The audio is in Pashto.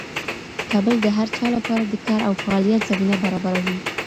کابل د هر چا لپاره د کار او فعالیت زمینه برابروي.